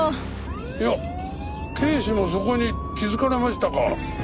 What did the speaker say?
いや警視もそこに気づかれましたか。